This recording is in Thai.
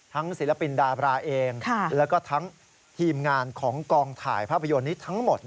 ศิลปินดาบราเองแล้วก็ทั้งทีมงานของกองถ่ายภาพยนตร์นี้ทั้งหมด